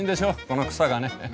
この草がね。